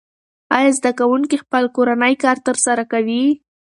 آیا زده کوونکي خپل کورنی کار ترسره کوي؟